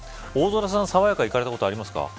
大空さん、さわやか行かれたことありますか。